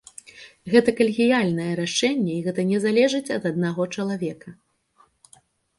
Гэта калегіяльнае рашэнне, і гэта не залежыць ад аднаго чалавека.